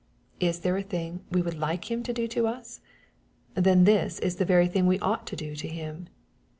Is there a thing we would like him to do to us ? Then this is the very thing we ought to do to him.